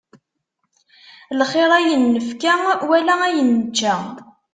Ixir ayen nefka, wala ayen nečča.